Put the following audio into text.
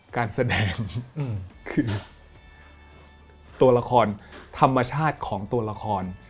การแสดงคือตัวละครธรรมชาติของตัวละคร